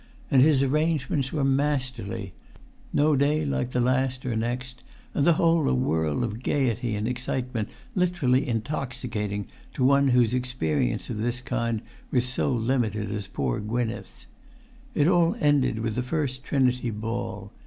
And his arrangements were masterly; no day like the[Pg 299] last, or next; and the whole a whirl of gaiety and excitement literally intoxicating to one whose experience of this kind was so limited as poor Gwynneth's. It all ended with the First Trinity ball.